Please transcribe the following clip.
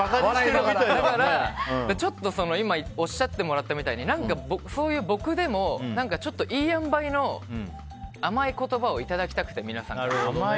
だから今おっしゃったみたいに何かそういう僕でも、いい塩梅の甘い言葉をいただきたくて皆さんから。